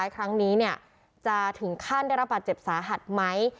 ครั้งนี้จะถึงขั้นได้รับบาดเจ็บสาหัสไหม